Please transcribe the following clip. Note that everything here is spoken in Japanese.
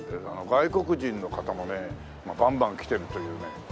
外国人の方もねばんばん来てるという事なんで。